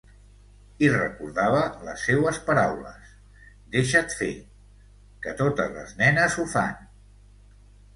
I recordava les seues paraules, deixa't fer, que totes les nenes ho fan...